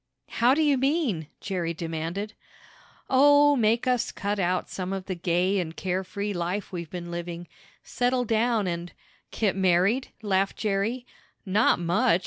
"How do you mean?" Jerry demanded. "Oh, make us cut out some of the gay and carefree life we've been living. Settle down and " "Get married?" laughed Jerry. "Not much!"